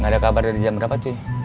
gak ada kabar dari jam berapa cuy